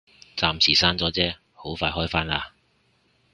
暫時閂咗啫，好快開返啦